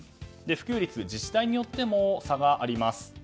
普及率、自治体によっても差があります。